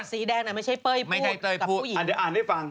สีแดงน่ะไม่ใช่เปยพูกกับผู้หญิง